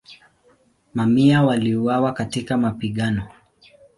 Mamia waliuawa katika mapigano.